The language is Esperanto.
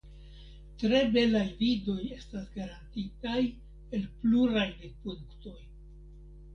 Tre belaj vidoj estas garantitaj el pluraj vidpunktoj.